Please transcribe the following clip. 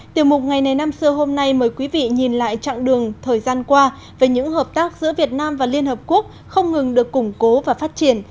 tiểu mục ngày này năm xưa hôm nay mời quý vị nhìn lại chặng đường thời gian qua về những hợp tác giữa việt nam và liên hợp quốc không ngừng được củng cố và phát triển